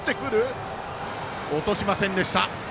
落としませんでした。